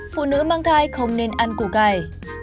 phụ nữ mang thai không nên ăn củ cải